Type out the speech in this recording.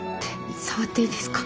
触っていいですか？